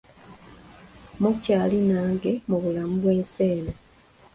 Mukyali nange mu bulamu bw'ensi eno.